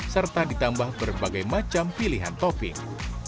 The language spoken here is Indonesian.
serta ditambah berbagai macam pilihan topping